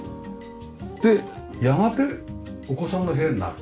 でやがてお子さんの部屋になる？